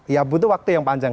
ya butuh waktu yang panjang